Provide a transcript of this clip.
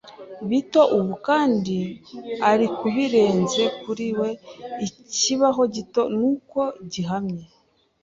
bito ubu, kandi arikurenze kuri we. Ikibaho gito - nuko - gihamye -